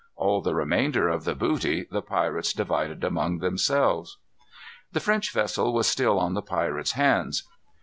All the remainder of the booty the pirates divided among themselves. The French vessel was still on the pirate's hands.